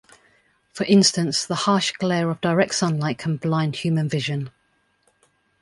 For instance, the harsh glare of direct sunlight can blind human vision.